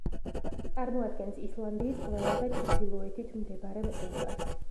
წარმოადგენს ისლანდიის ყველაზე ჩრდილოეთით მდებარე მყინვარს.